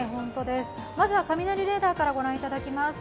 まずは雷レーダーから御覧いただきます。